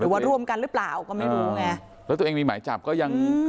ว่าร่วมกันหรือเปล่าก็ไม่รู้ไงแล้วตัวเองมีหมายจับก็ยัง